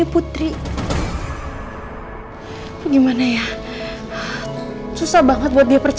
aku akan menangis